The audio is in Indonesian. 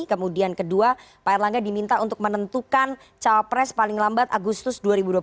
kemudian kedua pak erlangga diminta untuk menentukan cawapres paling lambat agustus dua ribu dua puluh